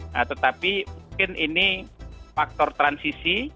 nah tetapi mungkin ini faktor transisi